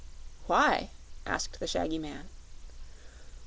"Why?" asked the shaggy man.